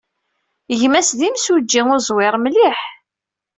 Gma-s d imsujji uẓwir mliḥ.